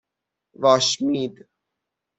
واشمید